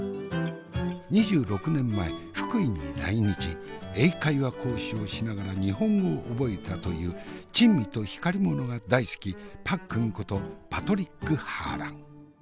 ２６年前福井に来日英会話講師をしながら日本語を覚えたという珍味と光り物が大好きパックンことパトリック・ハーラン。